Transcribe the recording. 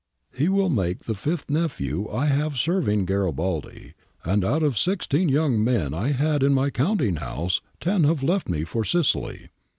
He will make the fifth nephew I shall have servnng Garibaldi, and out of sixteen young men I had in my counting house ten have left me ' for Sicily.